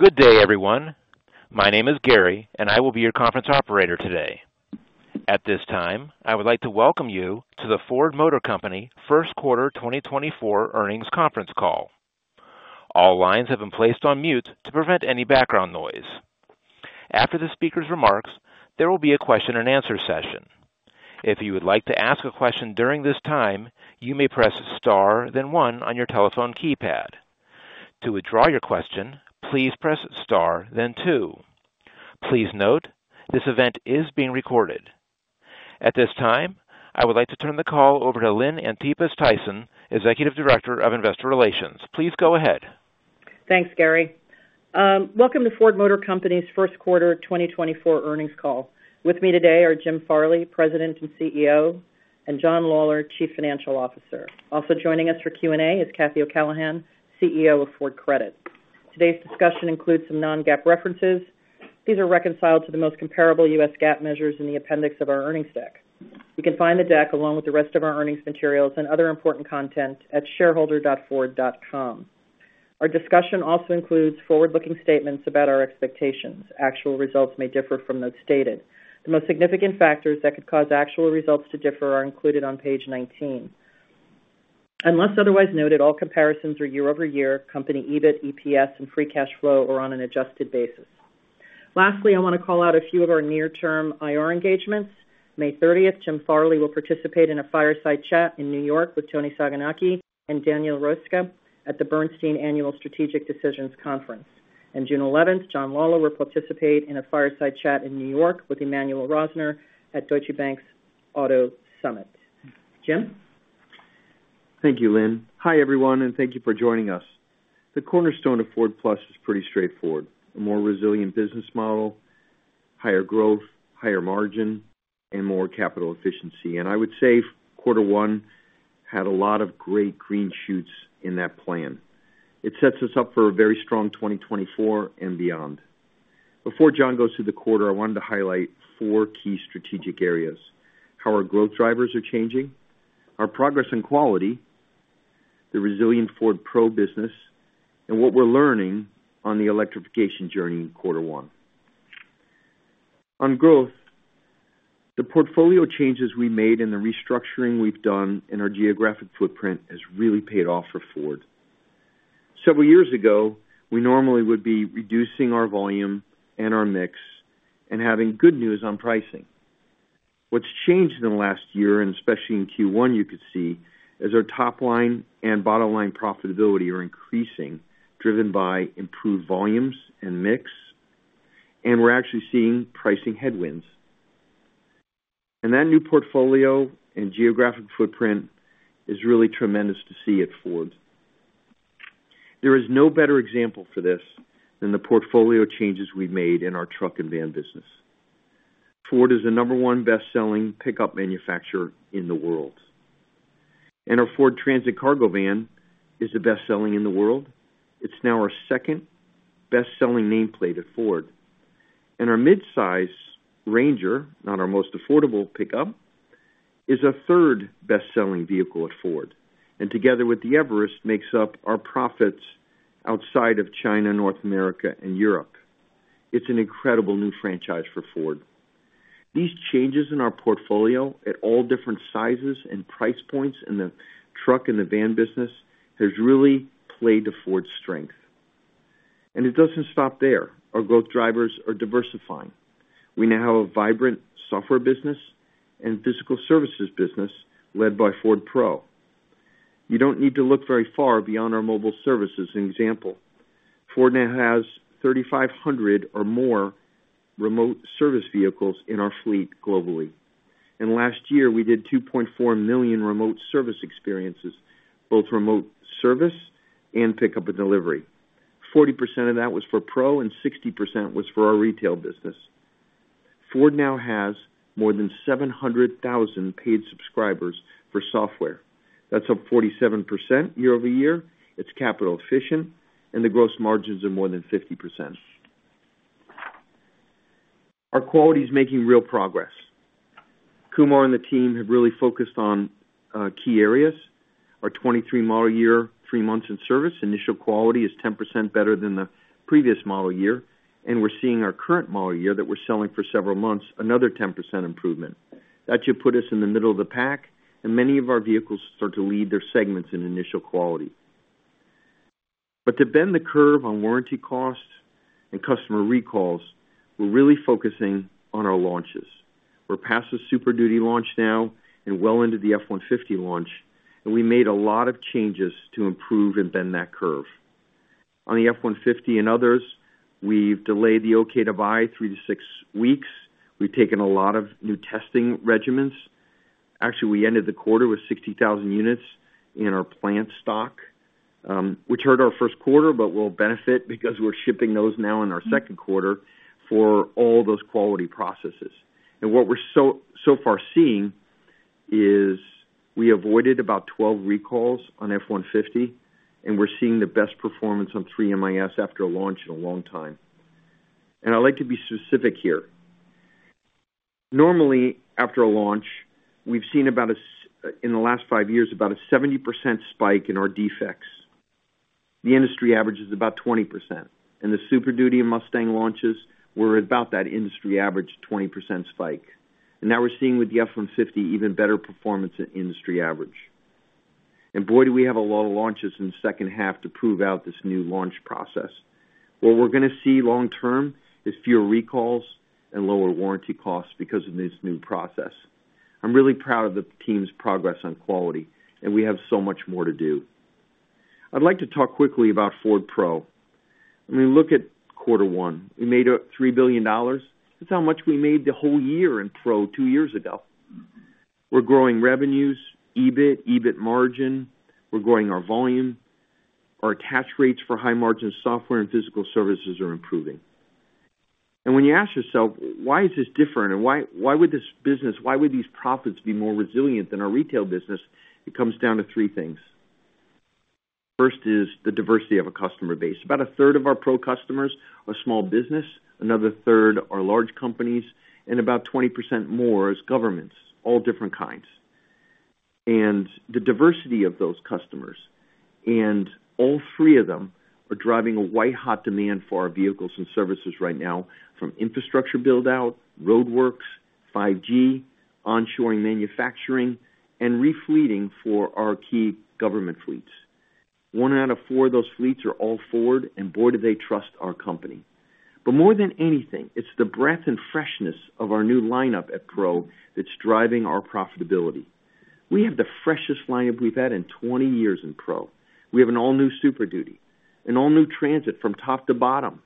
Good day, everyone. My name is Gary, and I will be your conference operator today. At this time, I would like to welcome you to the Ford Motor Company first quarter 2024 earnings conference call. All lines have been placed on mute to prevent any background noise. After the speaker's remarks, there will be a question-and-answer session. If you would like to ask a question during this time, you may press star, then 1 on your telephone keypad. To withdraw your question, please press star, then two. Please note, this event is being recorded. At this time, I would like to turn the call over to Lynn Antipas Tyson, Executive Director of Investor Relations. Please go ahead. Thanks, Gary. Welcome to Ford Motor Company's first quarter 2024 earnings call. With me today are Jim Farley, President and CEO, and John Lawler, Chief Financial Officer. Also joining us for Q&A is Cathy O'Callaghan, CEO of Ford Credit. Today's discussion includes some non-GAAP references. These are reconciled to the most comparable U.S. GAAP measures in the appendix of our earnings deck. You can find the deck along with the rest of our earnings materials and other important content at shareholder.ford.com. Our discussion also includes forward-looking statements about our expectations. Actual results may differ from those stated. The most significant factors that could cause actual results to differ are included on page 19. Unless otherwise noted, all comparisons are year-over-year. Company EBIT, EPS, and free cash flow are on an adjusted basis. Lastly, I want to call out a few of our near-term IR engagements. May 30th, Jim Farley will participate in a fireside chat in New York with Toni Sacconaghi and Daniel Roeska at the Bernstein Annual Strategic Decisions Conference. June 11th, John Lawler will participate in a fireside chat in New York with Emmanuel Rosner at Deutsche Bank Auto Summit. Jim? Thank you, Lynn. Hi, everyone, and thank you for joining us. The cornerstone of Ford+ is pretty straightforward: a more resilient business model, higher growth, higher margin, and more capital efficiency. I would say quarter one had a lot of great green shoots in that plan. It sets us up for a very strong 2024 and beyond. Before John goes through the quarter, I wanted to highlight four key strategic areas: how our growth drivers are changing, our progress in quality, the resilient Ford Pro business, and what we're learning on the electrification journey in quarter one. On growth, the portfolio changes we made and the restructuring we've done in our geographic footprint has really paid off for Ford. Several years ago, we normally would be reducing our volume and our mix and having good news on pricing. What's changed in the last year, and especially in Q1, you could see is our top line and bottom line profitability are increasing, driven by improved volumes and mix. And we're actually seeing pricing headwinds. And that new portfolio and geographic footprint is really tremendous to see at Ford. There is no better example for this than the portfolio changes we've made in our truck and van business. Ford is the number one best-selling pickup manufacturer in the world. And our Ford Transit Cargo Van is the best-selling in the world. It's now our second best-selling nameplate at Ford. And our midsize Ranger, not our most affordable pickup, is our third best-selling vehicle at Ford. And together with the Everest, makes up our profits outside of China, North America, and Europe. It's an incredible new franchise for Ford. These changes in our portfolio at all different sizes and price points in the truck and the van business have really played to Ford's strength. It doesn't stop there. Our growth drivers are diversifying. We now have a vibrant software business and physical services business led by Ford Pro. You don't need to look very far beyond our mobile services. An example: Ford now has 3,500 or more remote service vehicles in our fleet globally. And last year, we did 2.4 million remote service experiences, both remote service and pickup and delivery. 40% of that was for Pro, and 60% was for our retail business. Ford now has more than 700,000 paid subscribers for software. That's up 47% year-over-year. It's capital efficient, and the gross margins are more than 50%. Our quality is making real progress. Kumar and the team have really focused on key areas. Our 2023-model year, three months in service, initial quality is 10% better than the previous model year. We're seeing our current model year that we're selling for several months, another 10% improvement. That should put us in the middle of the pack, and many of our vehicles start to lead their segments in initial quality. To bend the curve on warranty costs and customer recalls, we're really focusing on our launches. We're past the Super Duty launch now and well into the F-150 launch, and we made a lot of changes to improve and bend that curve. On the F-150 and others, we've delayed the OK-to-Buy three to six weeks. We've taken a lot of new testing regimens. Actually, we ended the quarter with 60,000 units in our plant stock, which hurt our first quarter but will benefit because we're shipping those now in our second quarter for all those quality processes. And what we're so far seeing is we avoided about 12 recalls on F-150, and we're seeing the best performance on 3 MIS after a launch in a long time. And I'd like to be specific here. Normally, after a launch, we've seen about a in the last five years, about a 70% spike in our defects. The industry average is about 20%. And the Super Duty and Mustang launches were about that industry average 20% spike. And now we're seeing with the F-150 even better performance in industry average. And boy, do we have a lot of launches in the second half to prove out this new launch process. What we're going to see long-term is fewer recalls and lower warranty costs because of this new process. I'm really proud of the team's progress on quality, and we have so much more to do. I'd like to talk quickly about Ford Pro. When we look at quarter one, we made $3 billion. That's how much we made the whole year in Pro two years ago. We're growing revenues, EBIT, EBIT margin. We're growing our volume. Our attach rates for high-margin software and physical services are improving. And when you ask yourself, "Why is this different, and why would these profits be more resilient than our retail business?" it comes down to three things. First is the diversity of a customer base. About a third of our Pro customers are small business, another third are large companies, and about 20% more are governments, all different kinds. The diversity of those customers, and all three of them are driving a white-hot demand for our vehicles and services right now from infrastructure build-out, roadworks, 5G, onshoring manufacturing, and refleeting for our key government fleets. One out of four of those fleets are all Ford, and boy, do they trust our company. But more than anything, it's the breadth and freshness of our new lineup at Pro that's driving our profitability. We have the freshest lineup we've had in 20 years in Pro. We have an all-new Super Duty, an all-new Transit from top to bottom,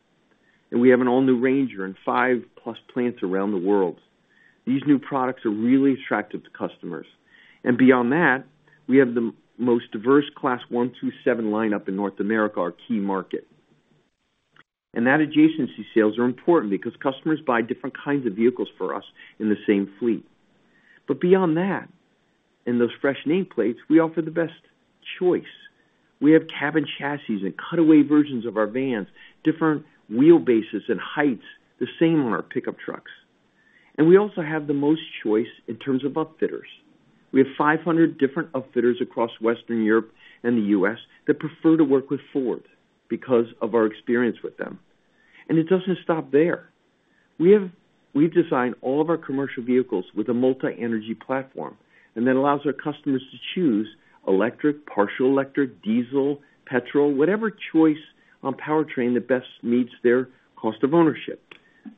and we have an all-new Ranger and 5+ plants around the world. These new products are really attractive to customers. And beyond that, we have the most diverse Class 1 through 7 lineup in North America, our key market. That adjacency sales are important because customers buy different kinds of vehicles for us in the same fleet. Beyond that, in those fresh nameplates, we offer the best choice. We have cabin chassis and cutaway versions of our vans, different wheelbases and heights, the same on our pickup trucks. We also have the most choice in terms of upfitters. We have 500 different upfitters across Western Europe and the U.S. that prefer to work with Ford because of our experience with them. It doesn't stop there. We've designed all of our commercial vehicles with a multi-energy platform that allows our customers to choose electric, partial electric, diesel, petrol, whatever choice on powertrain that best meets their cost of ownership.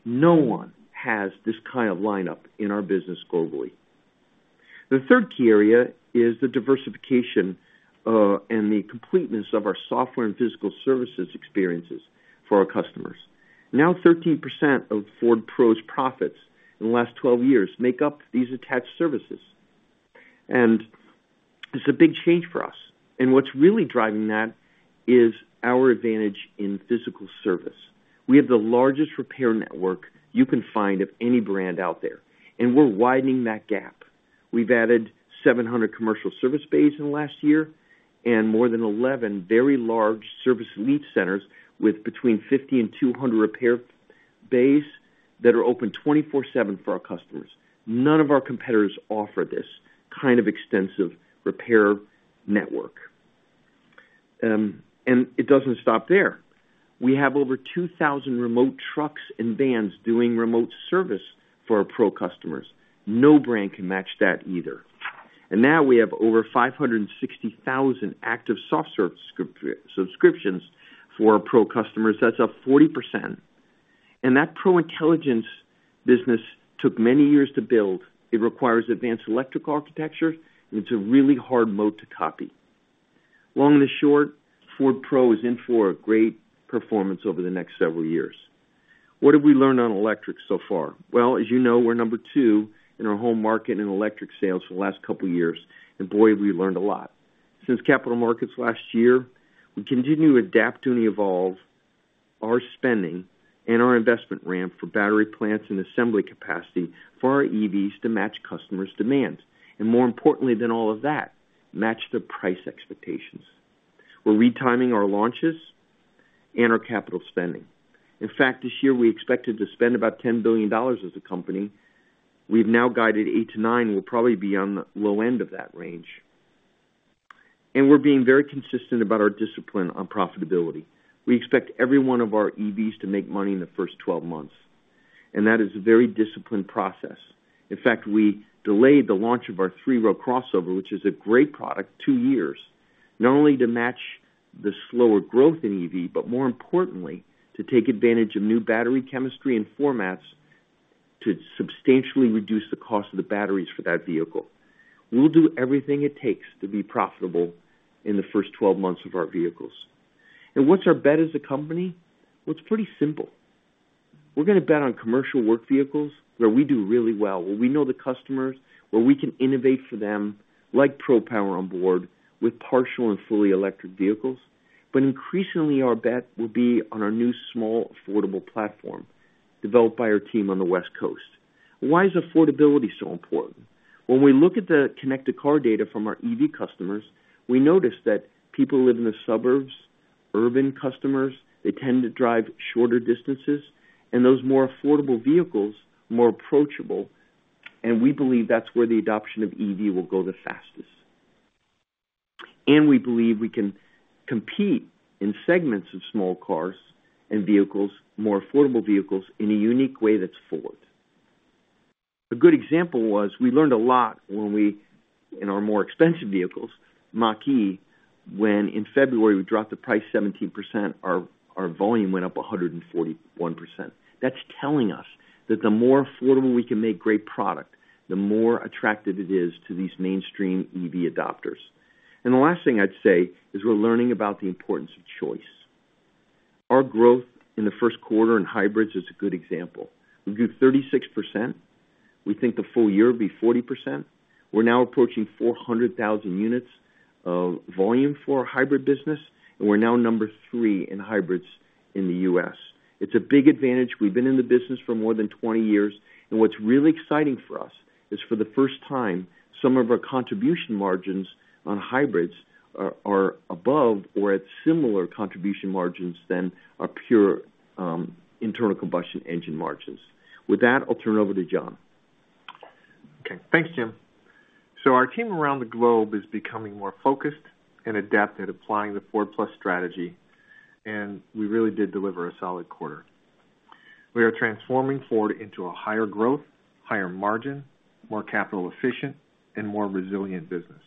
No one has this kind of lineup in our business globally. The third key area is the diversification and the completeness of our software and physical services experiences for our customers. Now, 13% of Ford Pro's profits in the last 12 years make up these attached services. It's a big change for us. What's really driving that is our advantage in physical service. We have the largest repair network you can find of any brand out there, and we're widening that gap. We've added 700 commercial service bays in the last year and more than 11 very large service lease centers with between 50 and 200 repair bays that are open 24/7 for our customers. None of our competitors offer this kind of extensive repair network. It doesn't stop there. We have over 2,000 remote trucks and vans doing remote service for our Pro customers. No brand can match that either. And now we have over 560,000 active software subscriptions for our Pro customers. That's up 40%. And that Pro Intelligence business took many years to build. It requires advanced electric architecture, and it's a really hard moat to copy. Long and short, Ford Pro is in for a great performance over the next several years. What have we learned on electric so far? Well, as you know, we're number two in our home market in electric sales for the last couple of years, and boy, we learned a lot. Since capital markets last year, we continue to adapt and evolve our spending and our investment ramp for battery plants and assembly capacity for our EVs to match customers' demands. And more importantly than all of that, match their price expectations. We're retiming our launches and our capital spending. In fact, this year, we expected to spend about $10 billion as a company. We've now guided $8 billion-$9 billion. We'll probably be on the low end of that range. And we're being very consistent about our discipline on profitability. We expect every one of our EVs to make money in the first 12 months, and that is a very disciplined process. In fact, we delayed the launch of our three-row crossover, which is a great product, two years, not only to match the slower growth in EV, but more importantly, to take advantage of new battery chemistry and formats to substantially reduce the cost of the batteries for that vehicle. We'll do everything it takes to be profitable in the first 12 months of our vehicles. And what's our bet as a company? Well, it's pretty simple. We're going to bet on commercial work vehicles where we do really well, where we know the customers, where we can innovate for them, like Pro Power Onboard with partial and fully electric vehicles. But increasingly, our bet will be on our new small, affordable platform developed by our team on the West Coast. Why is affordability so important? When we look at the connected car data from our EV customers, we notice that people who live in the suburbs, urban customers, they tend to drive shorter distances. And those more affordable vehicles, more approachable. And we believe that's where the adoption of EV will go the fastest. And we believe we can compete in segments of small cars and vehicles, more affordable vehicles, in a unique way that's Ford. A good example was we learned a lot when we in our more expensive vehicles, Mach-E, when in February we dropped the price 17%, our volume went up 141%. That's telling us that the more affordable we can make great product, the more attractive it is to these mainstream EV adopters. And the last thing I'd say is we're learning about the importance of choice. Our growth in the first quarter in hybrids is a good example. We grew 36%. We think the full year will be 40%. We're now approaching 400,000 units of volume for our hybrid business, and we're now number three in hybrids in the U.S. It's a big advantage. We've been in the business for more than 20 years. What's really exciting for us is, for the first time, some of our contribution margins on hybrids are above or at similar contribution margins than our pure internal combustion engine margins. With that, I'll turn it over to John. Okay. Thanks, Jim. So our team around the globe is becoming more focused and adept at applying the Ford+ strategy, and we really did deliver a solid quarter. We are transforming Ford into a higher growth, higher margin, more capital efficient, and more resilient business.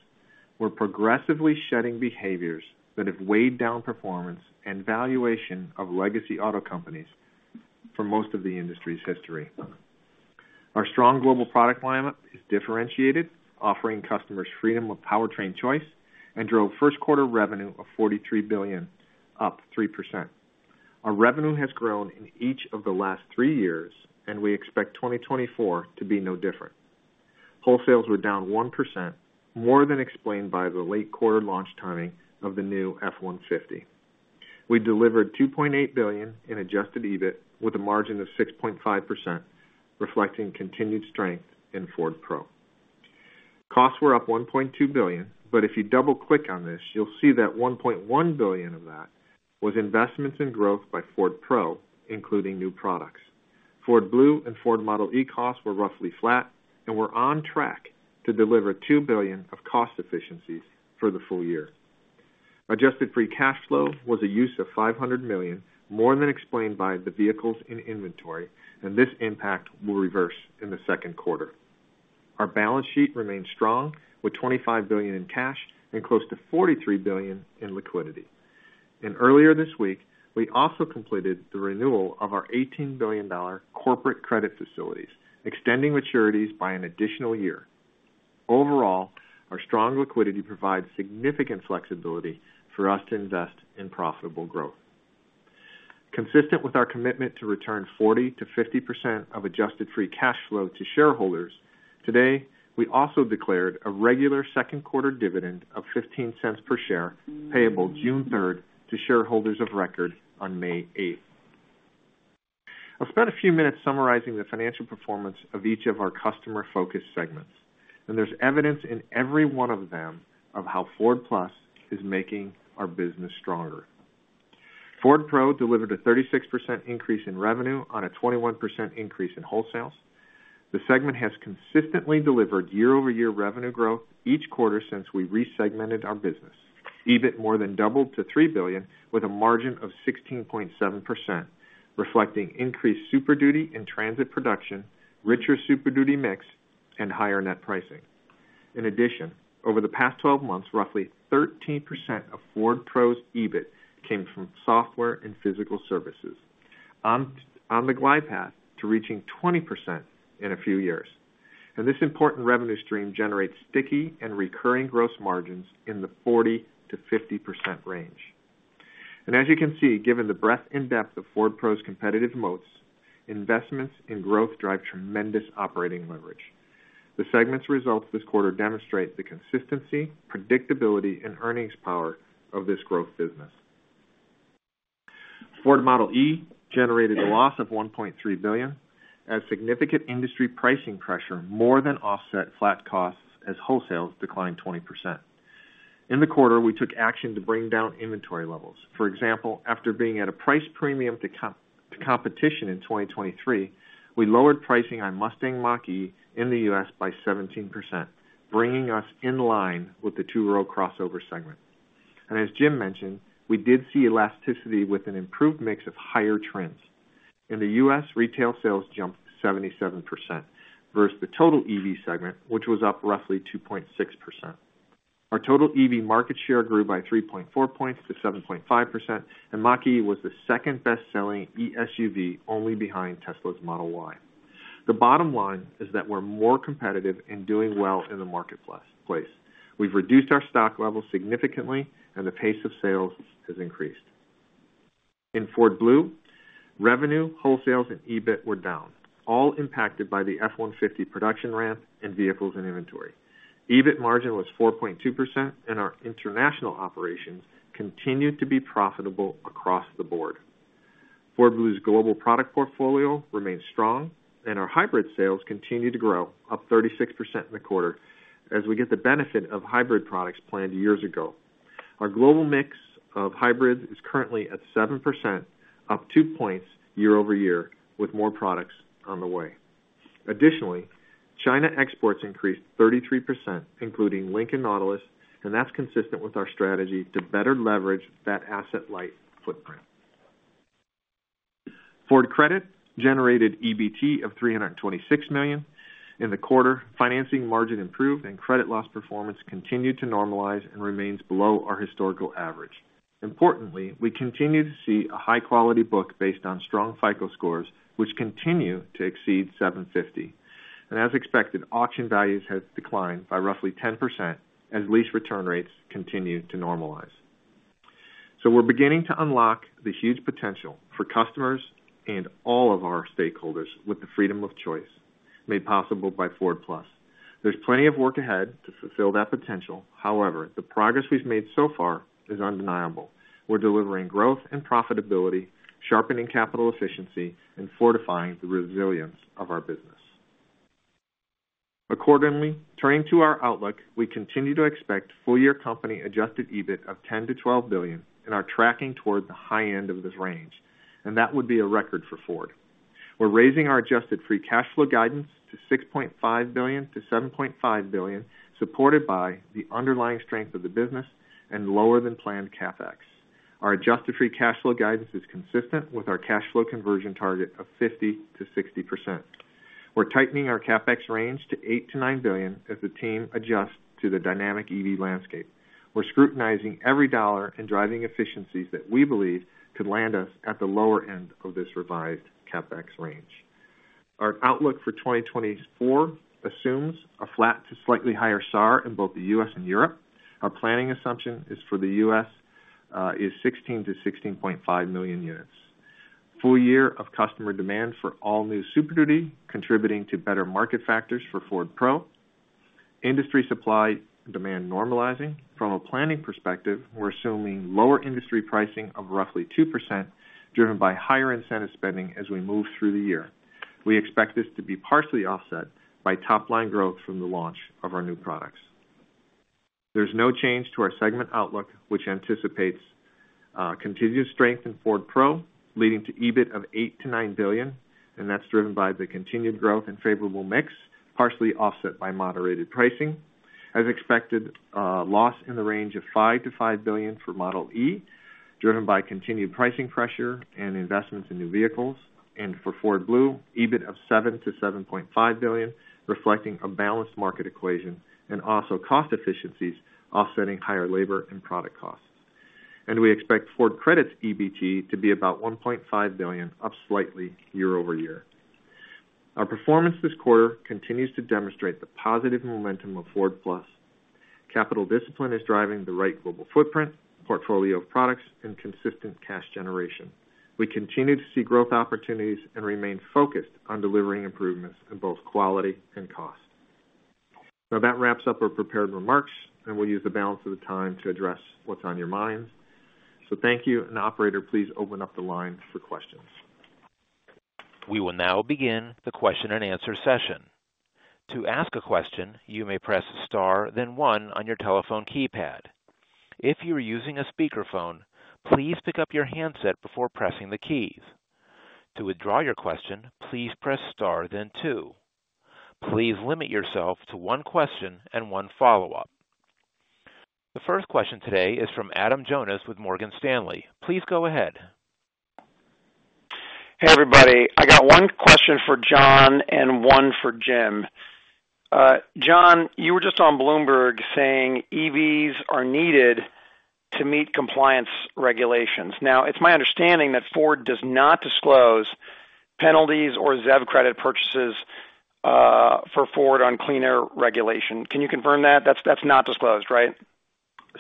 We're progressively shedding behaviors that have weighed down performance and valuation of legacy auto companies for most of the industry's history. Our strong global product lineup is differentiated, offering customers freedom of powertrain choice, and drove first-quarter revenue of $43 billion, up 3%. Our revenue has grown in each of the last three years, and we expect 2024 to be no different. Wholesales were down 1%, more than explained by the late quarter launch timing of the new F-150. We delivered $2.8 billion in adjusted EBIT with a margin of 6.5%, reflecting continued strength in Ford Pro. Costs were up $1.2 billion, but if you double-click on this, you'll see that $1.1 billion of that was investments in growth by Ford Pro, including new products. Ford Blue and Ford Model e costs were roughly flat, and we're on track to deliver $2 billion of cost efficiencies for the full year. Adjusted free cash flow was a use of $500 million, more than explained by the vehicles in inventory, and this impact will reverse in the second quarter. Our balance sheet remains strong with $25 billion in cash and close to $43 billion in liquidity. Earlier this week, we also completed the renewal of our $18 billion corporate credit facilities, extending maturities by an additional year. Overall, our strong liquidity provides significant flexibility for us to invest in profitable growth. Consistent with our commitment to return 40%-50% of adjusted free cash flow to shareholders, today, we also declared a regular second-quarter dividend of $0.15 per share payable June 3rd to shareholders of record on May 8th. I've spent a few minutes summarizing the financial performance of each of our customer-focused segments, and there's evidence in every one of them of how Ford+ is making our business stronger. Ford Pro delivered a 36% increase in revenue on a 21% increase in wholesales. The segment has consistently delivered year-over-year revenue growth each quarter since we resegmented our business. EBIT more than doubled to $3 billion with a margin of 16.7%, reflecting increased Super Duty and Transit production, richer Super Duty mix, and higher net pricing. In addition, over the past 12 months, roughly 13% of Ford Pro's EBIT came from software and physical services, on the glide path to reaching 20% in a few years. This important revenue stream generates sticky and recurring gross margins in the 40%-50% range. As you can see, given the breadth and depth of Ford Pro's competitive moats, investments in growth drive tremendous operating leverage. The segment's results this quarter demonstrate the consistency, predictability, and earnings power of this growth business. Ford Model e generated a loss of $1.3 billion as significant industry pricing pressure more than offset flat costs as wholesales declined 20%. In the quarter, we took action to bring down inventory levels. For example, after being at a price premium to competition in 2023, we lowered pricing on Mustang Mach-E in the U.S. by 17%, bringing us in line with the two-row crossover segment. As Jim mentioned, we did see elasticity with an improved mix of higher trends. In the U.S., retail sales jumped 77% versus the total EV segment, which was up roughly 2.6%. Our total EV market share grew by 3.4 points to 7.5%, and Mach-E was the second-best-selling ESUV, only behind Tesla's Model Y. The bottom line is that we're more competitive and doing well in the marketplace. We've reduced our stock levels significantly, and the pace of sales has increased. In Ford Blue, revenue, wholesales, and EBIT were down, all impacted by the F-150 production ramp and vehicles in inventory. EBIT margin was 4.2%, and our international operations continued to be profitable across the board. Ford Blue's global product portfolio remains strong, and our hybrid sales continue to grow, up 36% in the quarter, as we get the benefit of hybrid products planned years ago. Our global mix of hybrids is currently at 7%, up 2 points year-over-year, with more products on the way. Additionally, China exports increased 33%, including Lincoln Nautilus, and that's consistent with our strategy to better leverage that asset-light footprint. Ford Credit generated EBT of $326 million in the quarter. Financing margin improved, and credit loss performance continued to normalize and remains below our historical average. Importantly, we continue to see a high-quality book based on strong FICO scores, which continue to exceed 750. And as expected, auction values have declined by roughly 10% as lease return rates continue to normalize. We're beginning to unlock the huge potential for customers and all of our stakeholders with the freedom of choice, made possible by Ford+. There's plenty of work ahead to fulfill that potential. However, the progress we've made so far is undeniable. We're delivering growth and profitability, sharpening capital efficiency, and fortifying the resilience of our business. Accordingly, turning to our outlook, we continue to expect full-year company adjusted EBIT of $10 billion-$12 billion, and are tracking toward the high end of this range, and that would be a record for Ford. We're raising our adjusted free cash flow guidance to $6.5 billion-$7.5 billion, supported by the underlying strength of the business and lower-than-planned CapEx. Our adjusted free cash flow guidance is consistent with our cash flow conversion target of 50%-60%. We're tightening our CapEx range to $8 billion-$9 billion as the team adjusts to the dynamic EV landscape. We're scrutinizing every dollar and driving efficiencies that we believe could land us at the lower end of this revised CapEx range. Our outlook for 2024 assumes a flat to slightly higher SAAR in both the U.S. and Europe. Our planning assumption is for the U.S. is 16 million-16.5 million units. Full year of customer demand for all new Super Duty, contributing to better market factors for Ford Pro. Industry supply demand normalizing. From a planning perspective, we're assuming lower industry pricing of roughly 2%, driven by higher incentive spending as we move through the year. We expect this to be partially offset by top-line growth from the launch of our new products. There's no change to our segment outlook, which anticipates continued strength in Ford Pro, leading to EBIT of $8 billion-$9 billion, and that's driven by the continued growth and favorable mix, partially offset by moderated pricing. As expected, loss in the range of $5 billion-$5 billion for Model e, driven by continued pricing pressure and investments in new vehicles. For Ford Blue, EBIT of $7 billion-$7.5 billion, reflecting a balanced market equation and also cost efficiencies offsetting higher labor and product costs. We expect Ford Credit's EBT to be about $1.5 billion, up slightly year-over-year. Our performance this quarter continues to demonstrate the positive momentum of Ford+. Capital discipline is driving the right global footprint, portfolio of products, and consistent cash generation. We continue to see growth opportunities and remain focused on delivering improvements in both quality and cost. Now, that wraps up our prepared remarks, and we'll use the balance of the time to address what's on your minds. So thank you, and operator, please open up the line for questions. We will now begin the question-and-answer session. To ask a question, you may press star, then one on your telephone keypad. If you are using a speakerphone, please pick up your handset before pressing the keys. To withdraw your question, please press star, then two. Please limit yourself to one question and one follow-up. The first question today is from Adam Jonas with Morgan Stanley. Please go ahead. Hey, everybody. I got one question for John and one for Jim. John, you were just on Bloomberg saying EVs are needed to meet compliance regulations. Now, it's my understanding that Ford does not disclose penalties or ZEV credit purchases for Ford on cleaner regulation. Can you confirm that? That's not disclosed, right?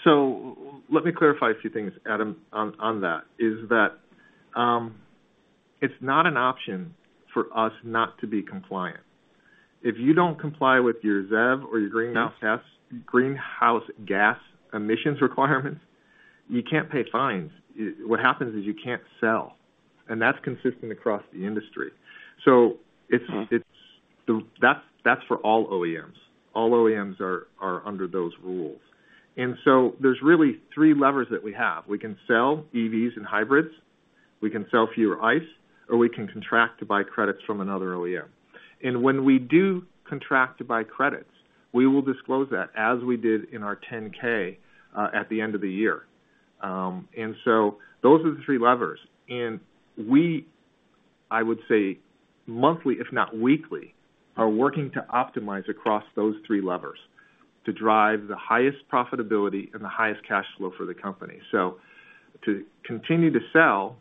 So let me clarify a few things, Adam, on that. It's not an option for us not to be compliant. If you don't comply with your ZEV or your greenhouse gas emissions requirements, you can't pay fines. What happens is you can't sell, and that's consistent across the industry. That's for all OEMs. All OEMs are under those rules. There's really three levers that we have. We can sell EVs and hybrids. We can sell fewer ICE, or we can contract to buy credits from another OEM. When we do contract to buy credits, we will disclose that as we did in our 10-K at the end of the year. Those are the three levers. We, I would say, monthly, if not weekly, are working to optimize across those three levers to drive the highest profitability and the highest cash flow for the company. To continue to sell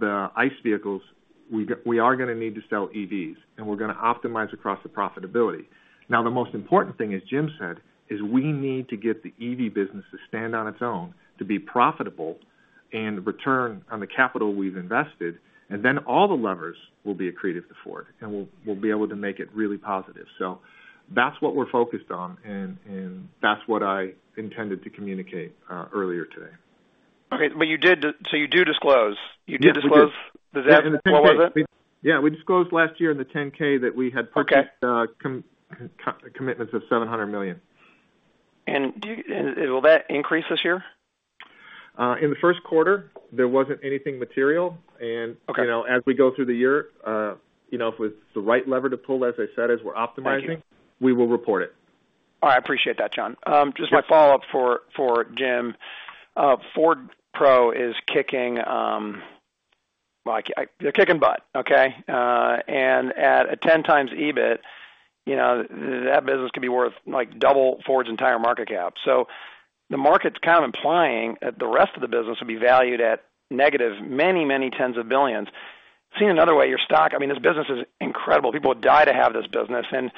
the ICE vehicles, we are going to need to sell EVs, and we're going to optimize across the profitability. Now, the most important thing, as Jim said, is we need to get the EV business to stand on its own, to be profitable, and return on the capital we've invested, and then all the levers will be accretive to Ford, and we'll be able to make it really positive. That's what we're focused on, and that's what I intended to communicate earlier today. Okay. But you did, so you do disclose. You did disclose the ZEV? What was it? Yeah. We disclosed last year in the 10-K that we had purchased commitments of $700 million. Will that increase this year? In the first quarter, there wasn't anything material. As we go through the year, if it's the right lever to pull, as I said, as we're optimizing, we will report it. All right. I appreciate that, John. Just my follow-up for Jim. Ford Pro is kicking. They're kicking butt, okay? And at a 10x EBIT, that business could be worth double Ford's entire market cap. So the market's kind of implying that the rest of the business would be valued at negative many, many tens of $ billions. Seen another way, your stock—I mean, this business is incredible. People would die to have this business. And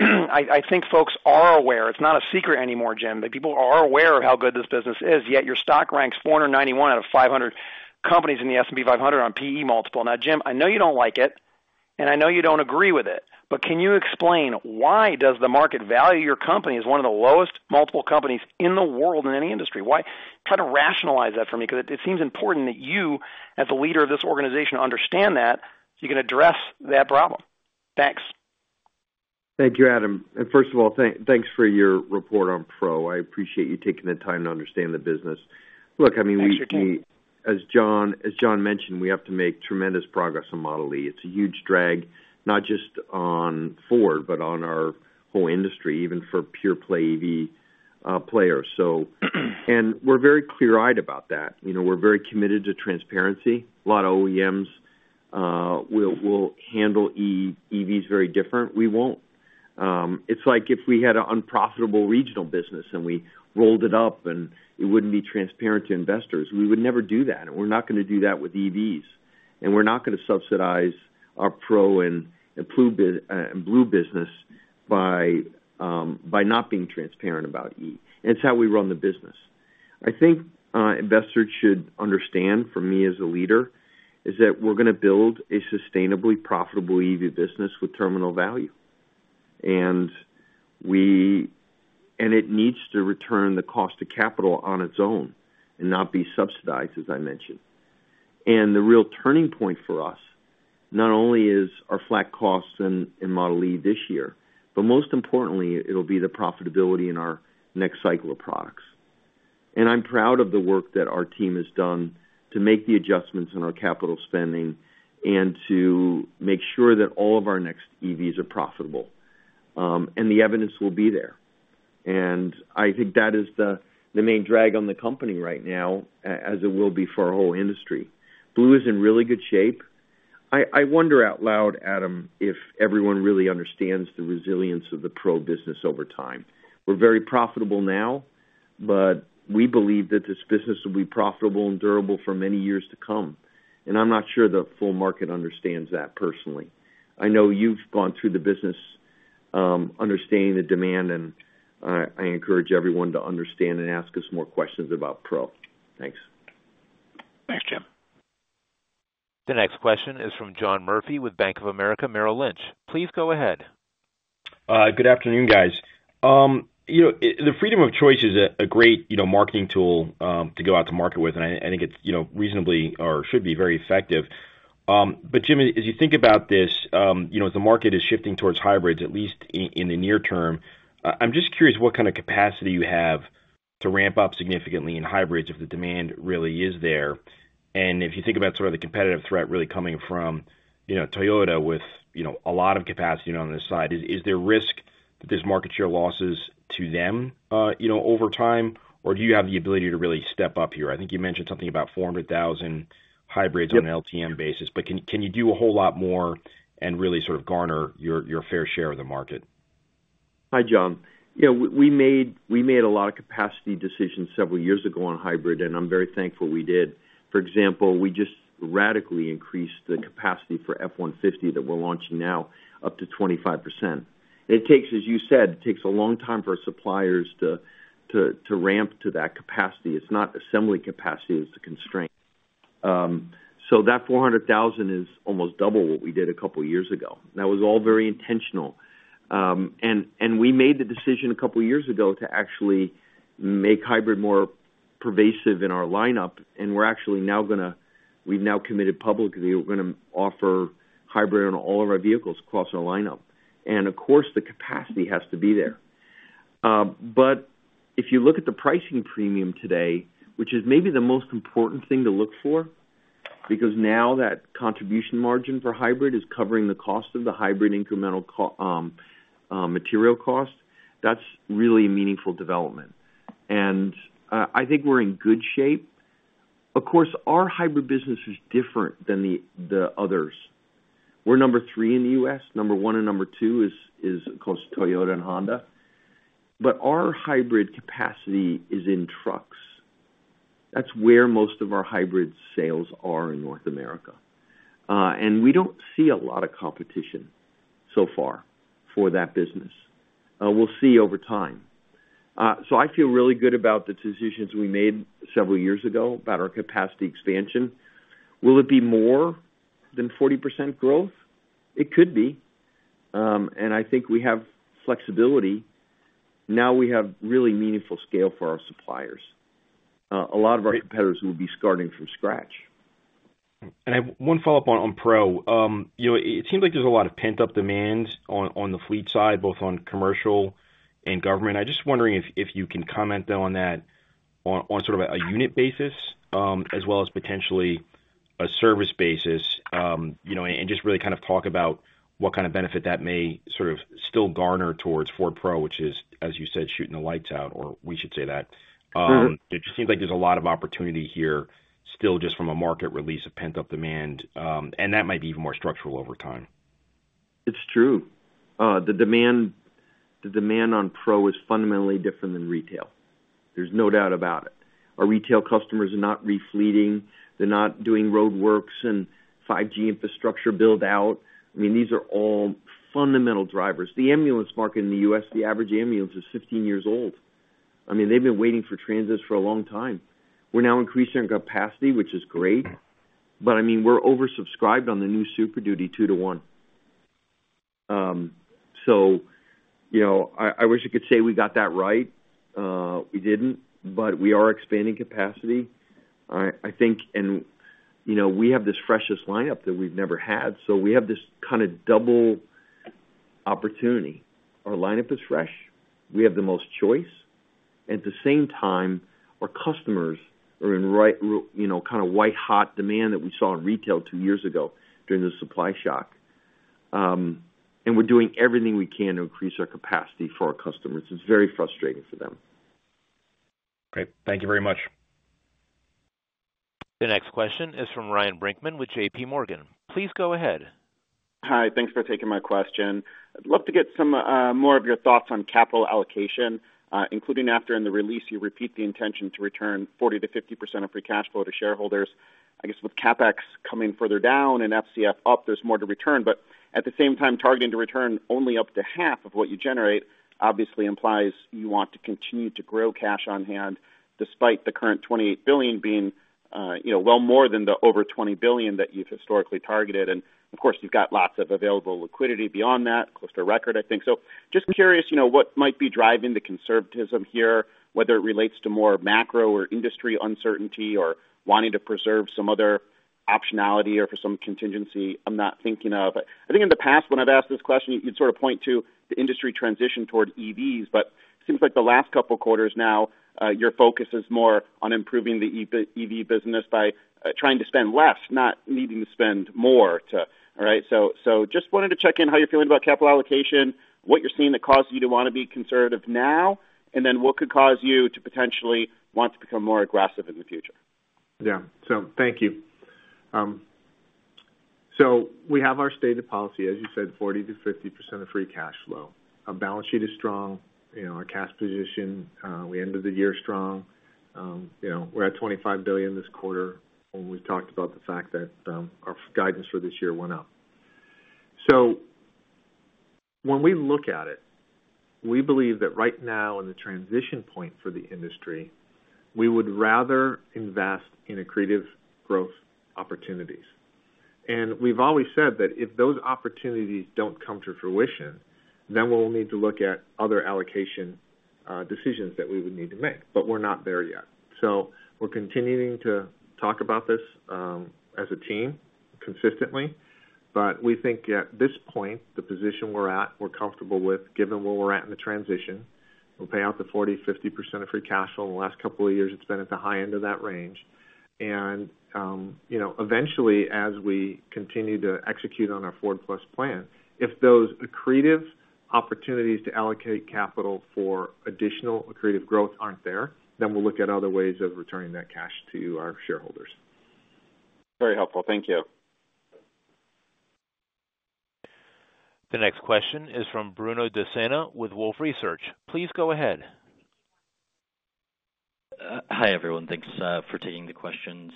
I think folks are aware it's not a secret anymore, Jim, that people are aware of how good this business is. Yet your stock ranks 491 out of 500 companies in the S&P 500 on P/E multiple. Now, Jim, I know you don't like it, and I know you don't agree with it, but can you explain why does the market value your company as one of the lowest multiple companies in the world in any industry? Try to rationalize that for me because it seems important that you, as the leader of this organization, understand that so you can address that problem. Thanks. Thank you, Adam. And first of all, thanks for your report on Pro. I appreciate you taking the time to understand the business. Look, I mean, as John mentioned, we have to make tremendous progress on Model e. It's a huge drag, not just on Ford, but on our whole industry, even for pure-play EV players. And we're very clear-eyed about that. We're very committed to transparency. A lot of OEMs will handle EVs very different. We won't. It's like if we had an unprofitable regional business and we rolled it up and it wouldn't be transparent to investors, we would never do that. And we're not going to do that with EVs. And we're not going to subsidize our Pro and Blue business by not being transparent about E. And it's how we run the business. I think investors should understand, for me as a leader, is that we're going to build a sustainably profitable EV business with terminal value. It needs to return the cost of capital on its own and not be subsidized, as I mentioned. The real turning point for us not only is our flat costs in Model e this year, but most importantly, it'll be the profitability in our next cycle of products. I'm proud of the work that our team has done to make the adjustments in our capital spending and to make sure that all of our next EVs are profitable. The evidence will be there. I think that is the main drag on the company right now, as it will be for our whole industry. Blue is in really good shape. I wonder out loud, Adam, if everyone really understands the resilience of the Pro business over time. We're very profitable now, but we believe that this business will be profitable and durable for many years to come. And I'm not sure the full market understands that personally. I know you've gone through the business understanding the demand, and I encourage everyone to understand and ask us more questions about Pro. Thanks. Thanks, Jim. The next question is from John Murphy with Bank of America Merrill Lynch. Please go ahead. Good afternoon, guys. The freedom of choice is a great marketing tool to go out to market with, and I think it's reasonably or should be very effective. But Jim, as you think about this, as the market is shifting towards hybrids, at least in the near term, I'm just curious what kind of capacity you have to ramp up significantly in hybrids if the demand really is there. And if you think about sort of the competitive threat really coming from Toyota with a lot of capacity on this side, is there risk that there's market share losses to them over time, or do you have the ability to really step up here? I think you mentioned something about 400,000 hybrids on an LTM basis, but can you do a whole lot more and really sort of garner your fair share of the market? Hi, John. We made a lot of capacity decisions several years ago on hybrid, and I'm very thankful we did. For example, we just radically increased the capacity for F-150 that we're launching now up to 25%. It takes, as you said, it takes a long time for our suppliers to ramp to that capacity. It's not assembly capacity; it's the constraint. That 400,000 is almost double what we did a couple of years ago. That was all very intentional. We made the decision a couple of years ago to actually make hybrid more pervasive in our lineup, and we've now committed publicly we're going to offer hybrid on all of our vehicles across our lineup. Of course, the capacity has to be there. But if you look at the pricing premium today, which is maybe the most important thing to look for because now that contribution margin for hybrid is covering the cost of the hybrid incremental material cost, that's really a meaningful development. And I think we're in good shape. Of course, our hybrid business is different than the others. We're number three in the U.S. Number one and number two is across Toyota and Honda. But our hybrid capacity is in trucks. That's where most of our hybrid sales are in North America. And we don't see a lot of competition so far for that business. We'll see over time. So I feel really good about the decisions we made several years ago about our capacity expansion. Will it be more than 40% growth? It could be. And I think we have flexibility. Now we have really meaningful scale for our suppliers. A lot of our competitors will be starting from scratch. One follow-up on Pro. It seems like there's a lot of pent-up demand on the fleet side, both on commercial and government. I'm just wondering if you can comment, though, on that on sort of a unit basis as well as potentially a service basis and just really kind of talk about what kind of benefit that may sort of still garner towards Ford Pro, which is, as you said, shooting the lights out, or we should say that. It just seems like there's a lot of opportunity here still just from a market release of pent-up demand, and that might be even more structural over time. It's true. The demand on Pro is fundamentally different than retail. There's no doubt about it. Our retail customers are not refleeting. They're not doing roadworks and 5G infrastructure build-out. I mean, these are all fundamental drivers. The ambulance market in the U.S., the average ambulance is 15 years old. I mean, they've been waiting for Transits for a long time. We're now increasing our capacity, which is great. But I mean, we're oversubscribed on the new Super Duty 2-to-1. So I wish I could say we got that right. We didn't, but we are expanding capacity, I think. And we have this freshest lineup that we've never had. So we have this kind of double opportunity. Our lineup is fresh. We have the most choice. At the same time, our customers are in kind of white-hot demand that we saw in retail two years ago during the supply shock. We're doing everything we can to increase our capacity for our customers. It's very frustrating for them. Great. Thank you very much. The next question is from Ryan Brinkman with JPMorgan. Please go ahead. Hi. Thanks for taking my question. I'd love to get some more of your thoughts on capital allocation, including after in the release, you repeat the intention to return 40%-50% of free cash flow to shareholders. I guess with CapEx coming further down and FCF up, there's more to return. But at the same time, targeting to return only up to half of what you generate, obviously, implies you want to continue to grow cash on hand despite the current $28 billion being well more than the over $20 billion that you've historically targeted. And of course, you've got lots of available liquidity beyond that, close to a record, I think. So just curious what might be driving the conservatism here, whether it relates to more macro or industry uncertainty or wanting to preserve some other optionality or for some contingency I'm not thinking of. I think in the past, when I've asked this question, you'd sort of point to the industry transition toward EVs. But it seems like the last couple of quarters now, your focus is more on improving the EV business by trying to spend less, not needing to spend more, right? So just wanted to check in how you're feeling about capital allocation, what you're seeing that causes you to want to be conservative now, and then what could cause you to potentially want to become more aggressive in the future. Yeah. So thank you. So we have our stated policy, as you said, 40%-50% of free cash flow. Our balance sheet is strong. Our cash position, we ended the year strong. We're at $25 billion this quarter when we talked about the fact that our guidance for this year went up. So when we look at it, we believe that right now in the transition point for the industry, we would rather invest in accretive growth opportunities. And we've always said that if those opportunities don't come to fruition, then we'll need to look at other allocation decisions that we would need to make. But we're not there yet. So we're continuing to talk about this as a team consistently. But we think at this point, the position we're at, we're comfortable with, given where we're at in the transition. We'll pay out the 40%-50% of free cash flow. In the last couple of years, it's been at the high end of that range. Eventually, as we continue to execute on our Ford+ plan, if those accretive opportunities to allocate capital for additional accretive growth aren't there, then we'll look at other ways of returning that cash to our shareholders. Very helpful. Thank you. The next question is from Bruno Dossena with Wolfe Research. Please go ahead. Hi, everyone. Thanks for taking the questions.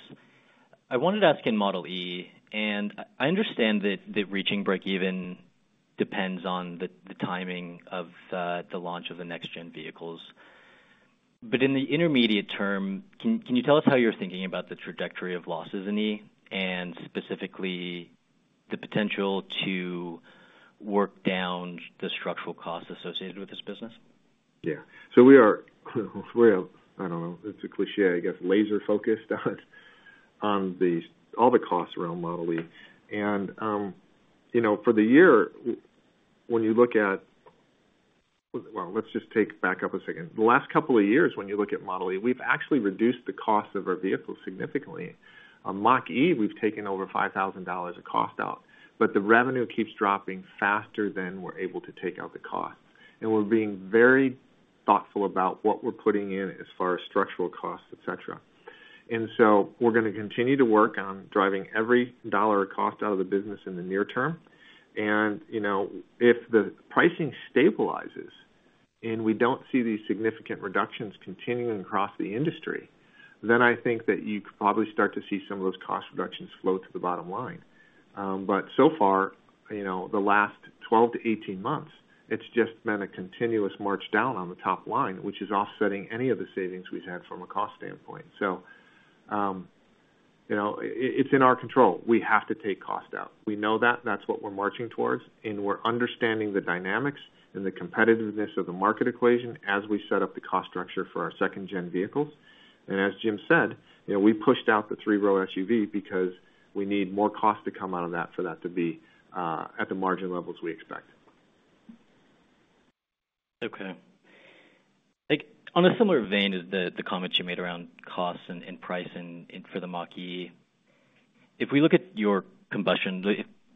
I wanted to ask in Model e. I understand that reaching break-even depends on the timing of the launch of the next-gen vehicles. In the intermediate term, can you tell us how you're thinking about the trajectory of losses in e and specifically the potential to work down the structural costs associated with this business? Yeah. So we are. I don't know. It's a cliché, I guess, laser-focused on all the costs around Model e. And for the year, when you look at well, let's just take back up a second. The last couple of years, when you look at Model e, we've actually reduced the cost of our vehicles significantly. On Mach-E, we've taken over $5,000 of cost out. But the revenue keeps dropping faster than we're able to take out the cost. And we're being very thoughtful about what we're putting in as far as structural costs, etc. And so we're going to continue to work on driving every dollar of cost out of the business in the near term. If the pricing stabilizes and we don't see these significant reductions continuing across the industry, then I think that you could probably start to see some of those cost reductions flow to the bottom line. But so far, the last 12-18 months, it's just been a continuous march down on the top line, which is offsetting any of the savings we've had from a cost standpoint. So it's in our control. We have to take cost out. We know that. That's what we're marching towards. And we're understanding the dynamics and the competitiveness of the market equation as we set up the cost structure for our second-gen vehicles. And as Jim said, we pushed out the three-row SUV because we need more cost to come out of that for that to be at the margin levels we expect. Okay. On a similar vein as the comments you made around costs and price for the Mach-E, if we look at your combustion,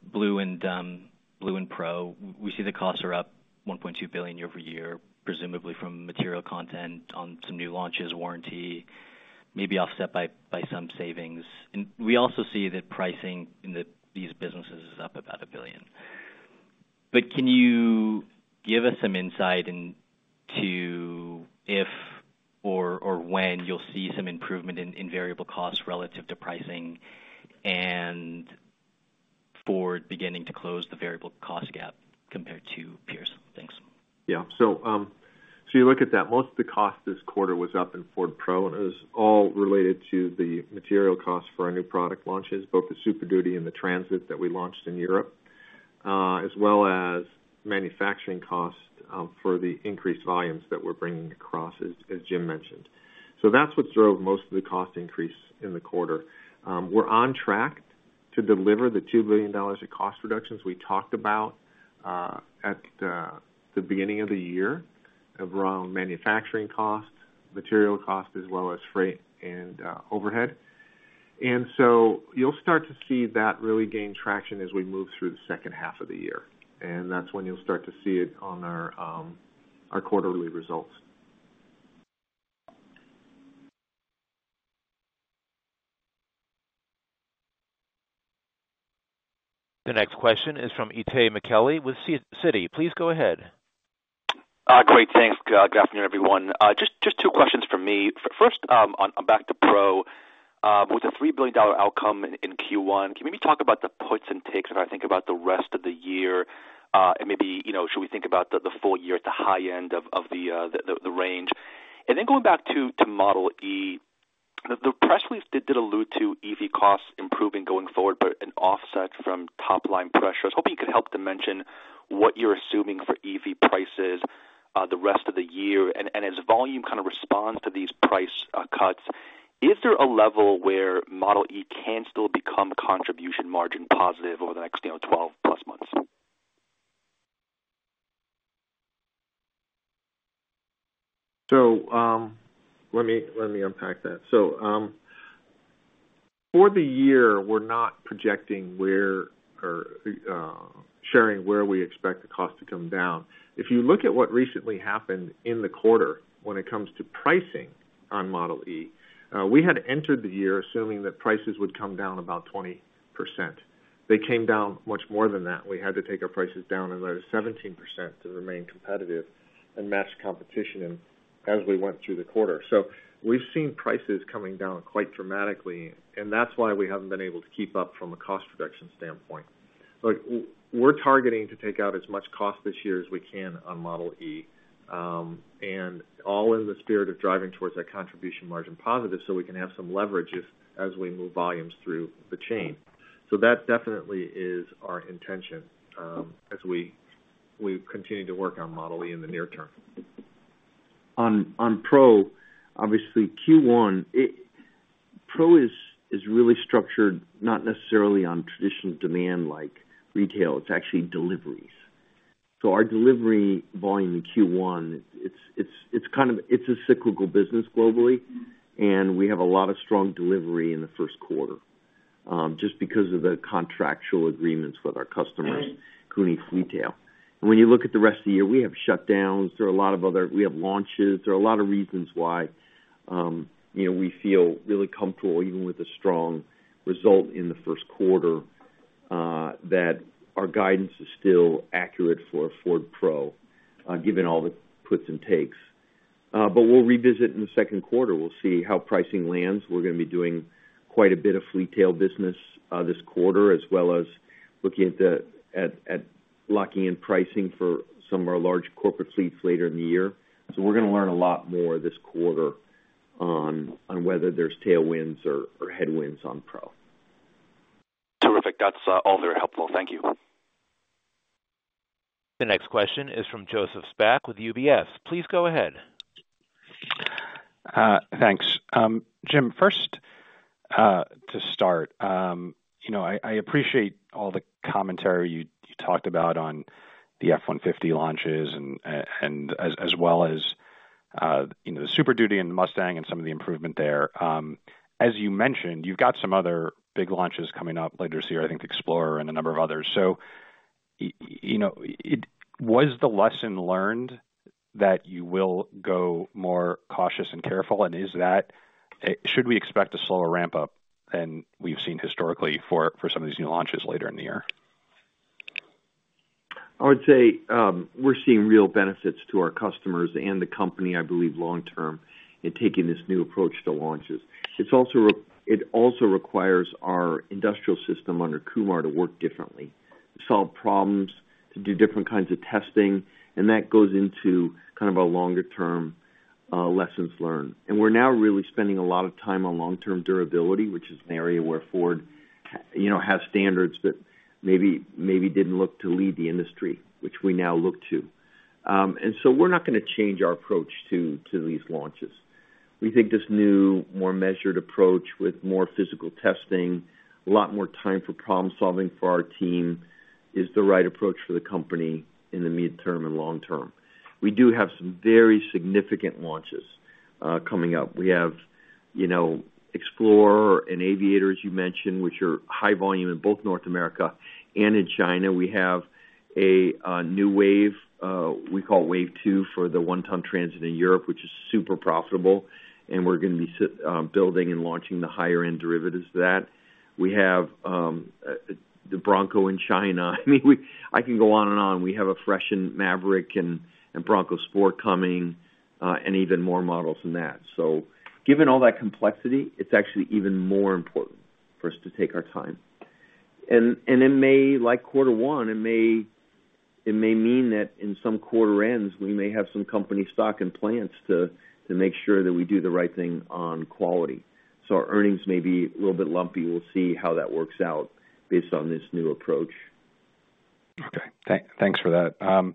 Blue and Pro, we see the costs are up $1.2 billion year-over-year, presumably from material content on some new launches, warranty, maybe offset by some savings. And we also see that pricing in these businesses is up about $1 billion. But can you give us some insight into if or when you'll see some improvement in variable costs relative to pricing and Ford beginning to close the variable cost gap compared to peers? Thanks. Yeah. So you look at that. Most of the cost this quarter was up in Ford Pro, and it was all related to the material costs for our new product launches, both the Super Duty and the Transit that we launched in Europe, as well as manufacturing costs for the increased volumes that we're bringing across, as Jim mentioned. So that's what drove most of the cost increase in the quarter. We're on track to deliver the $2 billion of cost reductions we talked about at the beginning of the year around manufacturing cost, material cost, as well as freight and overhead. And so you'll start to see that really gain traction as we move through the second half of the year. And that's when you'll start to see it on our quarterly results. The next question is from Itay Michaeli with Citi. Please go ahead. Great. Thanks. Good afternoon, everyone. Just two questions from me. First, I'm back to Pro. With the $3 billion outcome in Q1, can you maybe talk about the puts and takes if I think about the rest of the year? And maybe should we think about the full year at the high end of the range? And then going back to Model e, the press release did allude to EV costs improving going forward but an offset from top-line pressure. I was hoping you could help to mention what you're assuming for EV prices the rest of the year and as volume kind of responds to these price cuts. Is there a level where Model e can still become contribution margin positive over the next 12+ months? So let me unpack that. For the year, we're not projecting or sharing where we expect the cost to come down. If you look at what recently happened in the quarter when it comes to pricing on Model e, we had entered the year assuming that prices would come down about 20%. They came down much more than that. We had to take our prices down another 17% to remain competitive and match competition as we went through the quarter. So we've seen prices coming down quite dramatically. And that's why we haven't been able to keep up from a cost reduction standpoint. We're targeting to take out as much cost this year as we can on Model e, all in the spirit of driving towards that contribution margin positive so we can have some leverage as we move volumes through the chain. That definitely is our intention as we continue to work on Model e in the near term. On Pro, obviously, Q1, Pro is really structured not necessarily on traditional demand like retail. It's actually deliveries. So our delivery volume in Q1, it's a cyclical business globally. And we have a lot of strong delivery in the first quarter just because of the contractual agreements with our customers, commercial fleet tail. And when you look at the rest of the year, we have shutdowns. There are a lot of other we have launches. There are a lot of reasons why we feel really comfortable, even with a strong result in the first quarter, that our guidance is still accurate for Ford Pro given all the puts and takes. But we'll revisit in the second quarter. We'll see how pricing lands. We're going to be doing quite a bit of fleet tail business this quarter as well as looking at locking in pricing for some of our large corporate fleets later in the year. So we're going to learn a lot more this quarter on whether there's tailwinds or headwinds on Pro. Terrific. That's all very helpful. Thank you. The next question is from Joseph Spak with UBS. Please go ahead. Thanks. Jim, first to start, I appreciate all the commentary you talked about on the F-150 launches as well as the Super Duty and the Mustang and some of the improvement there. As you mentioned, you've got some other big launches coming up later this year, I think, Explorer and a number of others. So was the lesson learned that you will go more cautious and careful? And should we expect a slower ramp-up than we've seen historically for some of these new launches later in the year? I would say we're seeing real benefits to our customers and the company, I believe, long-term in taking this new approach to launches. It also requires our industrial system under Kumar to work differently, to solve problems, to do different kinds of testing. And that goes into kind of a longer-term lessons learned. And we're now really spending a lot of time on long-term durability, which is an area where Ford has standards but maybe didn't look to lead the industry, which we now look to. And so we're not going to change our approach to these launches. We think this new, more measured approach with more physical testing, a lot more time for problem-solving for our team is the right approach for the company in the mid-term and long-term. We do have some very significant launches coming up. We have Explorer and Aviator, as you mentioned, which are high volume in both North America and in China. We have a new wave we call Wave two for the one-ton Transit in Europe, which is super profitable. And we're going to be building and launching the higher-end derivatives of that. We have the Bronco in China. I mean, I can go on and on. We have a fresh Maverick and Bronco Sport coming and even more models than that. So given all that complexity, it's actually even more important for us to take our time. And like quarter one, it may mean that in some quarter ends, we may have some company stock and plans to make sure that we do the right thing on quality. So our earnings may be a little bit lumpy. We'll see how that works out based on this new approach. Okay. Thanks for that.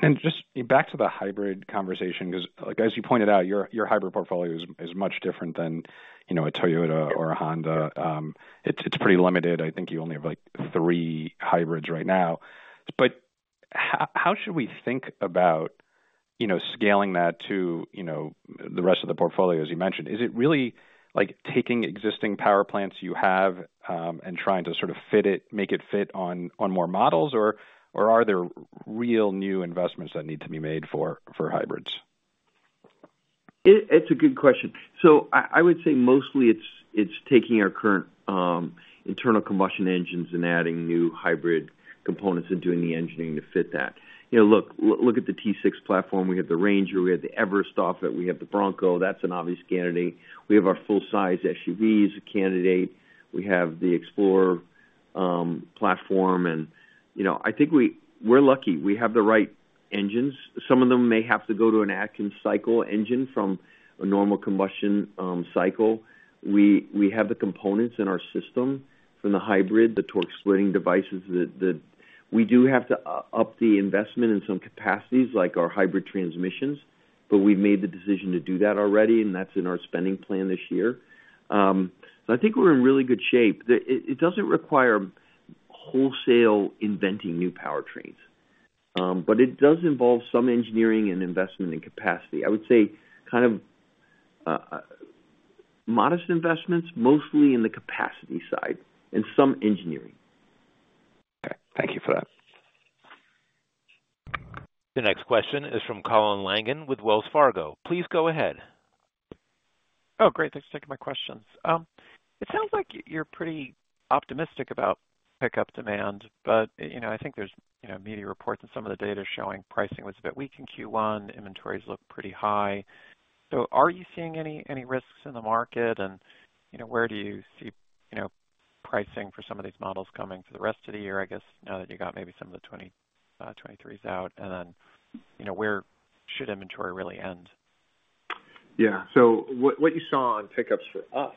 Then just back to the hybrid conversation because, as you pointed out, your hybrid portfolio is much different than a Toyota or a Honda. It's pretty limited. I think you only have three hybrids right now. But how should we think about scaling that to the rest of the portfolio, as you mentioned? Is it really taking existing power plants you have and trying to sort of make it fit on more models? Or are there real new investments that need to be made for hybrids? It's a good question. I would say mostly, it's taking our current internal combustion engines and adding new hybrid components and doing the engineering to fit that. Look at the T6 platform. We have the Ranger. We have the Everest off it. We have the Bronco. That's an obvious candidate. We have our full-size SUVs, a candidate. We have the Explorer platform. I think we're lucky. We have the right engines. Some of them may have to go to an Atkinson cycle engine from a normal combustion cycle. We have the components in our system from the hybrid, the torque splitting devices. We do have to up the investment in some capacities like our hybrid transmissions. We've made the decision to do that already. That's in our spending plan this year. I think we're in really good shape. It doesn't require wholesale inventing new powertrains. But it does involve some engineering and investment in capacity. I would say kind of modest investments, mostly in the capacity side and some engineering. Okay. Thank you for that. The next question is from Colin Langan with Wells Fargo. Please go ahead. Oh, great. Thanks for taking my questions. It sounds like you're pretty optimistic about pickup demand. But I think there's media reports and some of the data showing pricing was a bit weak in Q1. Inventories look pretty high. So are you seeing any risks in the market? And where do you see pricing for some of these models coming for the rest of the year, I guess, now that you got maybe some of the 2023s out? And then where should inventory really end? Yeah. So what you saw on pickups for us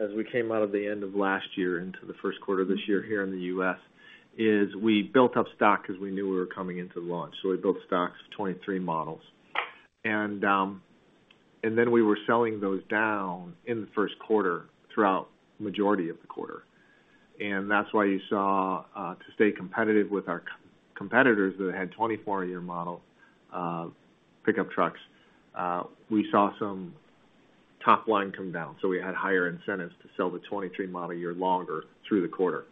as we came out of the end of last year into the first quarter this year here in the U.S. is we built up stock because we knew we were coming into the launch. So we built stocks of 2023 models. And then we were selling those down in the first quarter throughout the majority of the quarter. And that's why you saw, to stay competitive with our competitors that had 2024-year model pickup trucks, we saw some top line come down. So we had higher incentives to sell the 2023 model year longer through the quarter.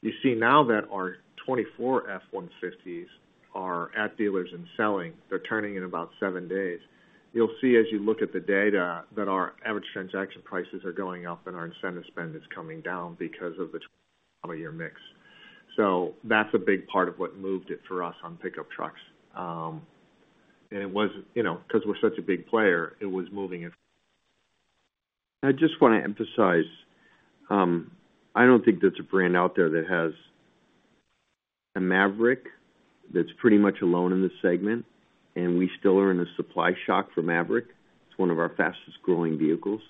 You see now that our 2024 F-150s are at dealers and selling. They're turning in about 7 days. You'll see, as you look at the data, that our average transaction prices are going up and our incentive spend is coming down because of the 2024-year mix. So that's a big part of what moved it for us on pickup trucks. And because we're such a big player, it was moving it. I just want to emphasize, I don't think there's a brand out there that has a Maverick that's pretty much alone in this segment. And we still are in a supply shock for Maverick. It's one of our fastest-growing vehicles.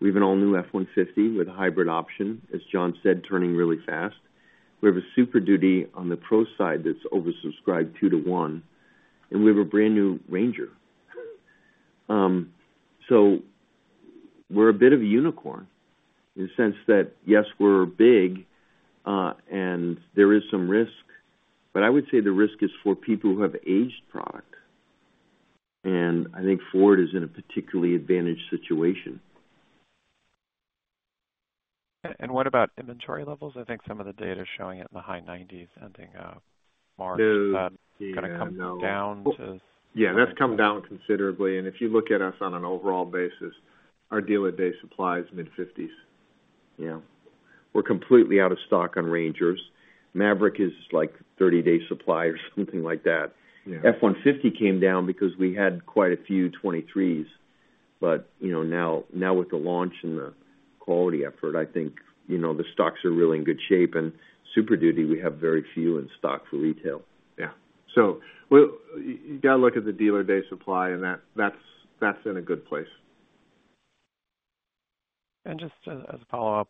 We have an all-new F-150 with a hybrid option, as John said, turning really fast. We have a Super Duty on the pro side that's oversubscribed 2-to-1. And we have a brand new Ranger. So we're a bit of a unicorn in the sense that, yes, we're big. And there is some risk. But I would say the risk is for people who have aged product. And I think Ford is in a particularly advantaged situation. What about inventory levels? I think some of the data is showing it in the high 90s ending March. Is that going to come down to? Yeah. That's come down considerably. And if you look at us on an overall basis, our dealer-day supply is mid-50s. We're completely out of stock on Rangers. Maverick is like 30-day supply or something like that. F-150 came down because we had quite a few 2023s. But now with the launch and the quality effort, I think the stocks are really in good shape. And Super Duty, we have very few in stock for retail. Yeah. So you got to look at the dealer-day supply. And that's in a good place. Just as a follow-up,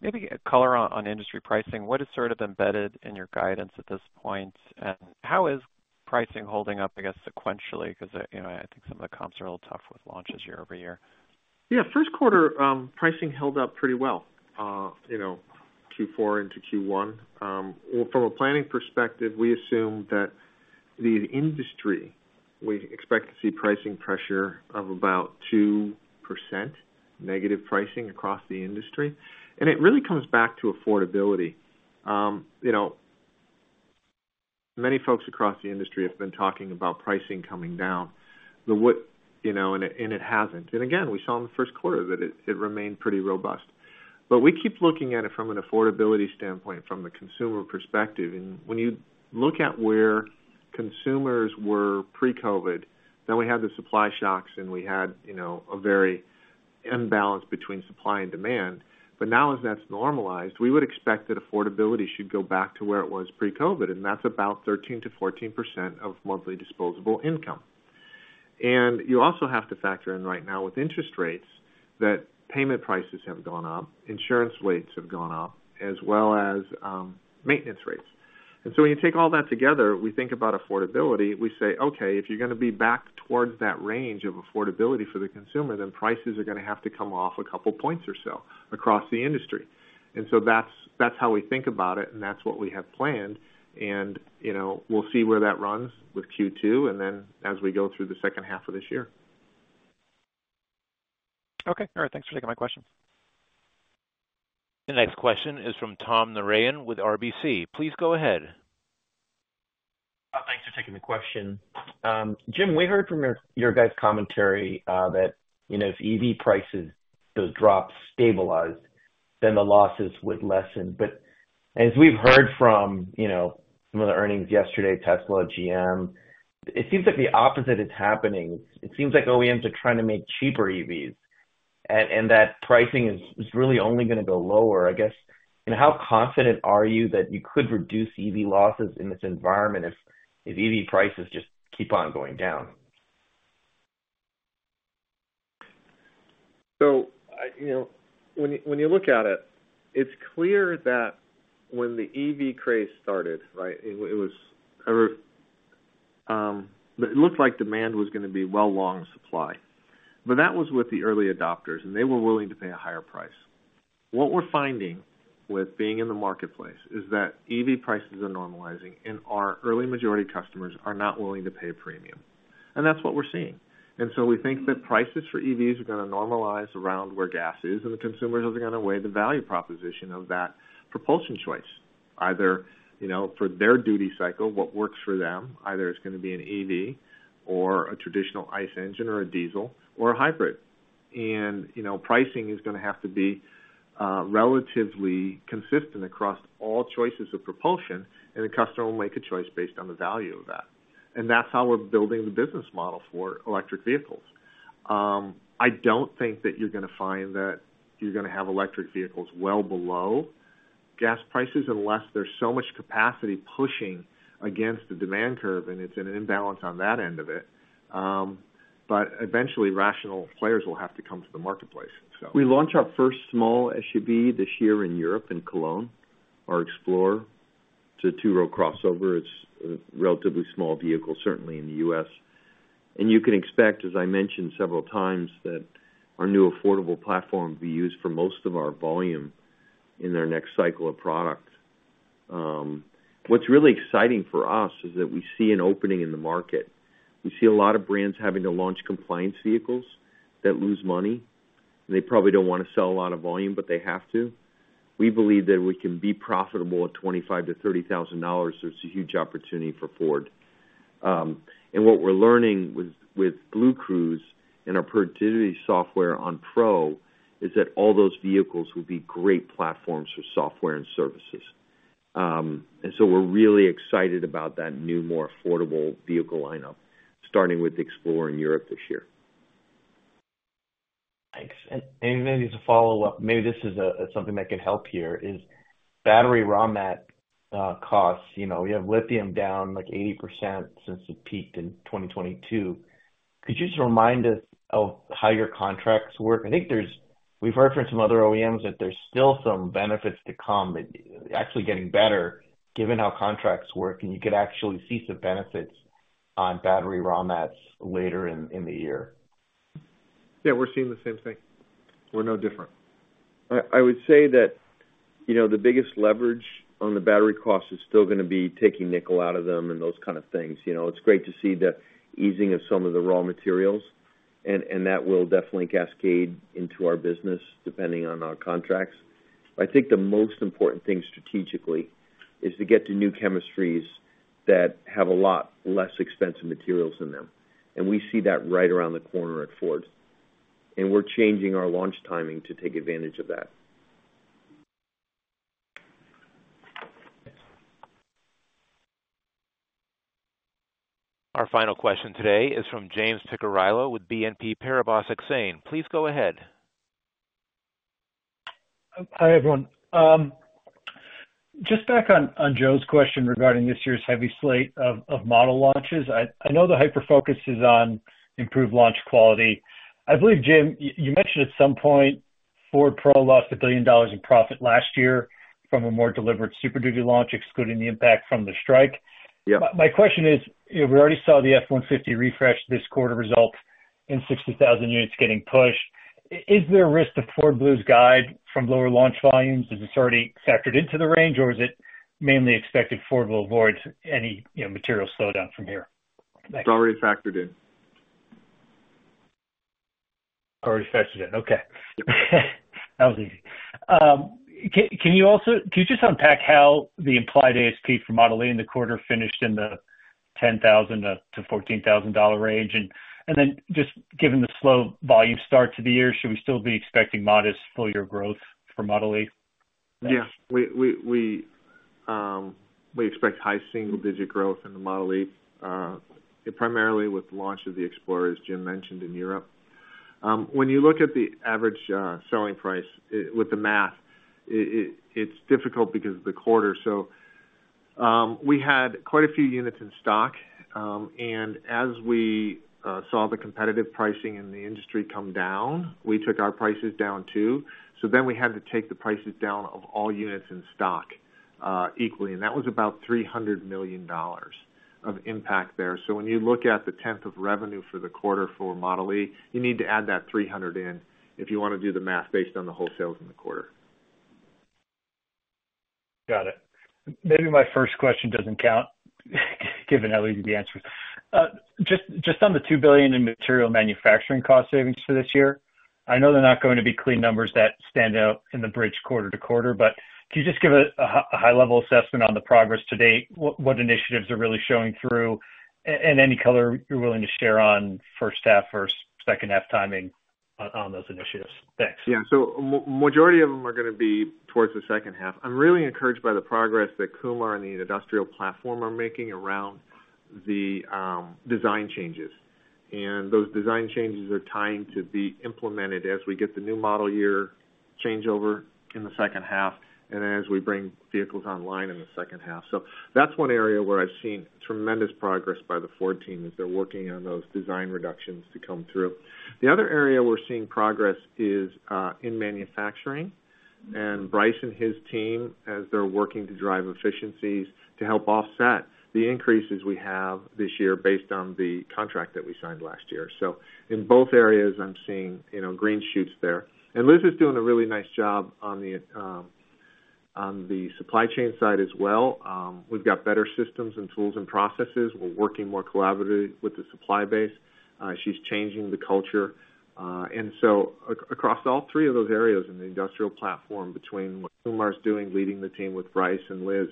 maybe a color on industry pricing. What has sort of embedded in your guidance at this point? And how is pricing holding up, I guess, sequentially? Because I think some of the comps are a little tough with launches year over year. Yeah. First quarter, pricing held up pretty well Q4 into Q1. From a planning perspective, we assume that the industry, we expect to see pricing pressure of about 2% negative pricing across the industry. And it really comes back to affordability. Many folks across the industry have been talking about pricing coming down. And it hasn't. And again, we saw in the first quarter that it remained pretty robust. But we keep looking at it from an affordability standpoint, from the consumer perspective. And when you look at where consumers were pre-COVID, then we had the supply shocks. And we had a very imbalance between supply and demand. But now, as that's normalized, we would expect that affordability should go back to where it was pre-COVID. And that's about 13%-14% of monthly disposable income. You also have to factor in right now, with interest rates, that payment prices have gone up, insurance rates have gone up, as well as maintenance rates. So when you take all that together, we think about affordability. We say, "Okay. If you're going to be back towards that range of affordability for the consumer, then prices are going to have to come off a couple points or so across the industry." So that's how we think about it. That's what we have planned. We'll see where that runs with Q2 and then as we go through the second half of this year. Okay. All right. Thanks for taking my questions. The next question is from Tom Narayan with RBC. Please go ahead. Oh, thanks for taking the question. Jim, we heard from your guys' commentary that if EV prices, those drops, stabilized, then the losses would lessen. But as we've heard from some of the earnings yesterday, Tesla, GM, it seems like the opposite is happening. It seems like OEMs are trying to make cheaper EVs. And that pricing is really only going to go lower. I guess, how confident are you that you could reduce EV losses in this environment if EV prices just keep on going down? So when you look at it, it's clear that when the EV craze started, right, it looked like demand was going to be well-long supply. But that was with the early adopters. And they were willing to pay a higher price. What we're finding with being in the marketplace is that EV prices are normalizing. And our early majority customers are not willing to pay a premium. And that's what we're seeing. And so we think that prices for EVs are going to normalize around where gas is. And the consumers are going to weigh the value proposition of that propulsion choice. Either for their duty cycle, what works for them, either it's going to be an EV or a traditional ICE engine or a diesel or a hybrid. And pricing is going to have to be relatively consistent across all choices of propulsion. The customer will make a choice based on the value of that. That's how we're building the business model for electric vehicles. I don't think that you're going to find that you're going to have electric vehicles well below gas prices unless there's so much capacity pushing against the demand curve. It's in an imbalance on that end of it. But eventually, rational players will have to come to the marketplace, so. We launch our first small SUV this year in Europe in Cologne, our Explorer. It's a two-row crossover. It's a relatively small vehicle, certainly, in the US. And you can expect, as I mentioned several times, that our new affordable platform will be used for most of our volume in the next cycle of product. What's really exciting for us is that we see an opening in the market. We see a lot of brands having to launch compliance vehicles that lose money. And they probably don't want to sell a lot of volume. But they have to. We believe that we can be profitable at $25,000-$30,000. So it's a huge opportunity for Ford. And what we're learning with BlueCruise and our Productivity software on Pro is that all those vehicles will be great platforms for software and services. And so we're really excited about that new, more affordable vehicle lineup, starting with the Explorer in Europe this year. Thanks. Maybe as a follow-up, maybe this is something that can help here, is battery raw mat costs. We have lithium down like 80% since it peaked in 2022. Could you just remind us of how your contracts work? I think we've heard from some other OEMs that there's still some benefits to come, actually getting better, given how contracts work. And you could actually see some benefits on battery raw mats later in the year. Yeah. We're seeing the same thing. We're no different. I would say that the biggest leverage on the battery costs is still going to be taking nickel out of them and those kind of things. It's great to see the easing of some of the raw materials. That will definitely cascade into our business depending on our contracts. I think the most important thing strategically is to get to new chemistries that have a lot less expensive materials in them. We see that right around the corner at Ford. We're changing our launch timing to take advantage of that. Our final question today is from James Picariello with BNP Paribas Exane. Please go ahead. Hi, everyone. Just back on Joe's question regarding this year's heavy slate of model launches. I know the hyperfocus is on improved launch quality. I believe, Jim, you mentioned at some point Ford Pro lost $1 billion in profit last year from a more deliberate Super Duty launch, excluding the impact from the strike. My question is, we already saw the F-150 refresh this quarter result and 60,000 units getting pushed. Is there a risk to Ford Blue's guide from lower launch volumes? Is this already factored into the range? Or is it mainly expected Ford will avoid any material slowdown from here? It's already factored in. Already factored in. Okay. That was easy. Can you also just unpack how the implied ASP for Model e in the quarter finished in the $10,000-$14,000 range? And then just given the slow volume start to the year, should we still be expecting modest full-year growth for Model e? Yeah. We expect high single-digit growth in the Model e, primarily with the launch of the Explorer, as Jim mentioned, in Europe. When you look at the average selling price with the math, it's difficult because of the quarter. So we had quite a few units in stock. And as we saw the competitive pricing in the industry come down, we took our prices down too. So then we had to take the prices down of all units in stock equally. And that was about $300 million of impact there. So when you look at the 10% of revenue for the quarter for Model e, you need to add that 300 in if you want to do the math based on the wholesales in the quarter. Got it. Maybe my first question doesn't count, given how easy the answer is. Just on the $2 billion in material manufacturing cost savings for this year, I know they're not going to be clean numbers that stand out in the bridge quarter to quarter. But could you just give a high-level assessment on the progress to date? What initiatives are really showing through? And any color you're willing to share on first half or second half timing on those initiatives. Thanks. Yeah. So majority of them are going to be towards the second half. I'm really encouraged by the progress that Kumar and the industrial platform are making around the design changes. And those design changes are going to be implemented as we get the new model year changeover in the second half and then as we bring vehicles online in the second half. So that's one area where I've seen tremendous progress by the Ford team is they're working on those design reductions to come through. The other area we're seeing progress is in manufacturing. And Bryce and his team, as they're working to drive efficiencies to help offset the increases we have this year based on the contract that we signed last year. So in both areas, I'm seeing green shoots there. And Liz is doing a really nice job on the supply chain side as well. We've got better systems and tools and processes. We're working more collaboratively with the supply base. She's changing the culture. And so across all three of those areas in the industrial platform, between what Kumar's doing, leading the team with Bryce, and Liz,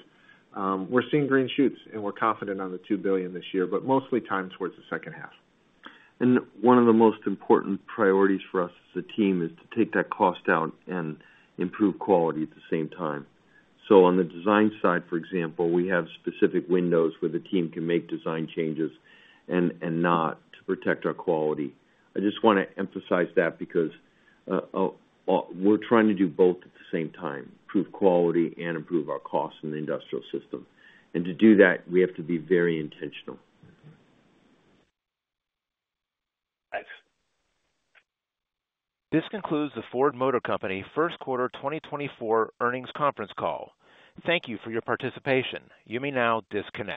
we're seeing green shoots. And we're confident on the $2 billion this year, but mostly tying towards the second half. And one of the most important priorities for us as a team is to take that cost out and improve quality at the same time. So on the design side, for example, we have specific windows where the team can make design changes and not to protect our quality. I just want to emphasize that because we're trying to do both at the same time, improve quality and improve our costs in the industrial system. And to do that, we have to be very intentional. Thanks. This concludes the Ford Motor Company first quarter 2024 earnings conference call. Thank you for your participation. You may now disconnect.